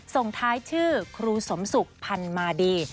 ส่งท้ายชื่อครูสมศุกร์พันมาดี